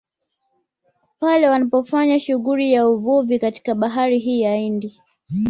Pale wanapofanya shughuli ya uvuvi katika bahari hii ya Hindi